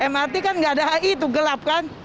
mrt kan nggak ada itu gelap kan